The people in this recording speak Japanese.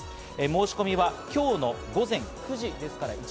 申し込みは今日の午前９時スタート。